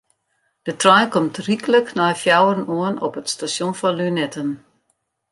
De trein komt ryklik nei fjouweren oan op it stasjon fan Lunetten.